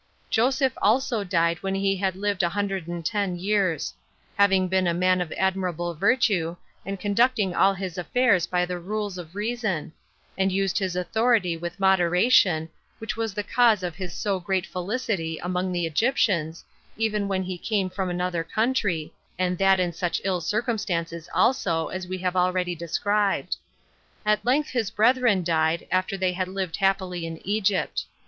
2. Joseph also died when he had lived a hundred and ten years; having been a man of admirable virtue, and conducting all his affairs by the rules of reason; and used his authority with moderation, which was the cause of his so great felicity among the Egyptians, even when he came from another country, and that in such ill circumstances also, as we have already described. At length his brethren died, after they had lived happily in Egypt.